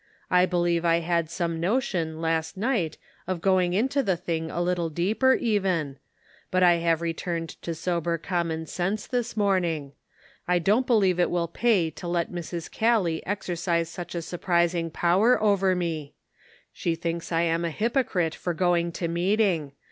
I believe I had some no tion, last night, of going into the thing a little deeper even ; but I have returned to sober common sense this morning. I don't believe it will pay to let Mrs. Callie exer cise such a surprising power over me. She thinks I am a hypocrite for going to meet ing.